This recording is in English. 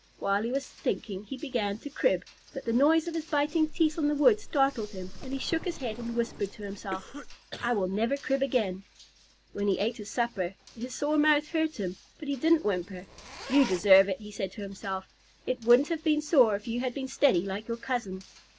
While he was thinking he began to crib, but the noise of his biting teeth on the wood startled him, and he shook his head and whispered to himself, "I will never crib again." When he ate his supper, his sore mouth hurt him, but he didn't whimper. "You deserve it," he said to himself. "It wouldn't have been sore if you had been steady like your cousin."